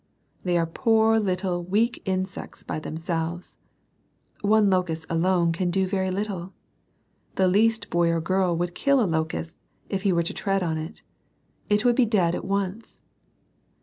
They are poor little weak insects by themselves. One locust alone can do very little. The least boy or girl would kill a locust, if he were to tread on it. It would be dead at once.